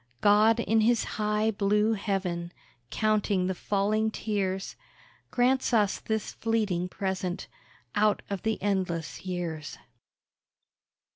God in His high, blue Heaven, Counting the falling tears, Grants us this fleeting present, Out of the endless years.